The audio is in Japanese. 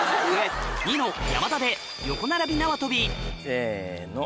ニノ山田で横並び縄跳びせの。